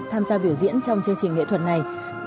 tham gia biểu diễn trong chương trình nghệ thuật này